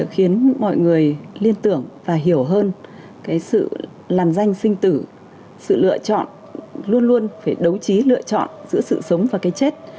khiến mọi người liên tưởng và hiểu hơn cái sự làm danh sinh tử sự lựa chọn luôn luôn phải đấu trí lựa chọn giữa sự sống và cái chết